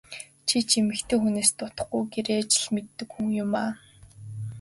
Чи ч эмэгтэй хүнээс дутахгүй гэрийн ажил мэддэг хүн юмаа.